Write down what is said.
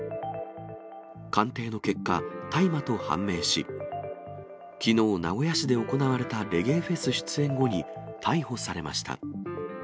鑑定の結果、大麻と判明し、きのう、名古屋市で行われたレゲエフェス出演後に逮捕されました。